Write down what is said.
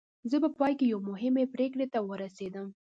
زه په پای کې یوې مهمې پرېکړې ته ورسېدم